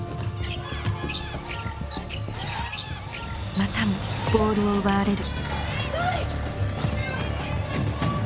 またもボールを奪われる。